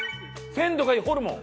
鮮度がいいホルモン！